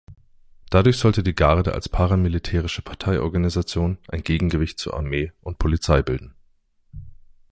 Dadurch sollte die Garde als paramilitärische Parteiorganisation ein Gegengewicht zu Armee und Polizei bilden.